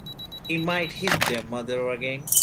He might hit their mother again.